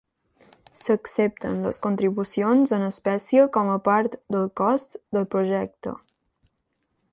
S'accepten les contribucions en espècie com a part del cost del projecte.